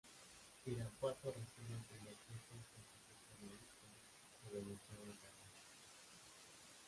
Irapuato recibe al Primer Jefe Constitucionalista, de Venustiano Carranza.